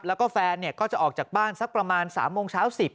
แล้วก็แฟนก็จะออกจากบ้านสักประมาณ๓โมงเช้า๑๐